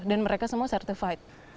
dan mereka semua certified